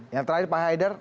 yang terakhir pak haidar